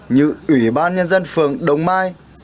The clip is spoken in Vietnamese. như ủy ban nhân dân phường đồng mai